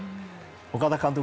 岡田監督